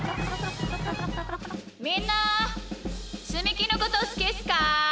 みんなつみきのことすきっすか？